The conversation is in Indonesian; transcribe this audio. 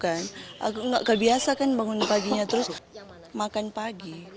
aku nggak kebiasa kan bangun paginya terus makan pagi